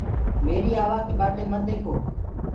ميرآ آوآ ڪي ٻآٽي مت ديکو۔